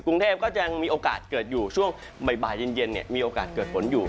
กรุงเทพก็ยังมีโอกาสเกิดอยู่ช่วงบ่ายเย็นมีโอกาสเกิดฝนอยู่